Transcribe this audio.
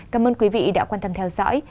cảm ơn quý vị đã quan tâm theo dõi